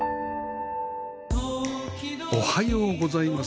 おはようございます。